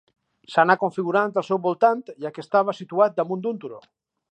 S'anà configurant al seu voltant, ja que estava situat damunt d'un turó.